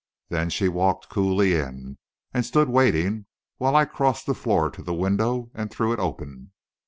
Then she walked coolly in, and stood waiting while I crossed the floor to the window and threw it open.